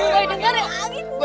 boy dengar ya angin dengar